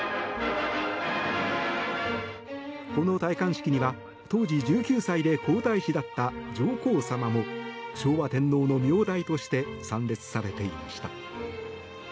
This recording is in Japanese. この戴冠式には、当時１９歳で皇太子だった上皇さまも昭和天皇の名代として参列されていました。